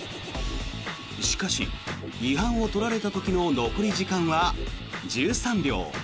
しかし、違反を取られた時の残り時間は１３秒。